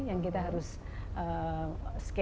yang kita harus scale nya